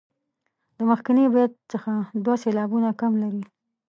د مخکني بیت څخه دوه سېلابونه کم لري.